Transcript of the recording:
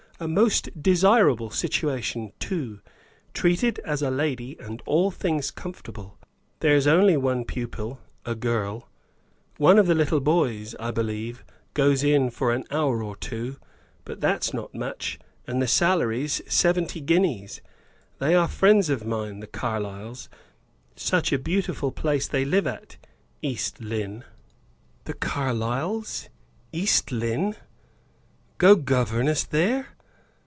A most desirable situation, too, treated as a lady, and all things comfortable. There's only one pupil, a girl; one of the little boys, I believe, goes in for an hour or two, but that's not much; and the salary's seventy guineas. They are friends of mine; the Carlyles; such a beautiful place they live at East Lynne." The Carlyles! East Lynne! Go governess there?